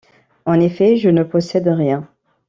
En effet, je ne possède rien.